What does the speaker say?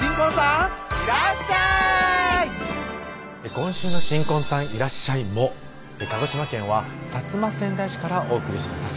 今週の新婚さんいらっしゃい！も鹿児島県は摩川内市からお送りしています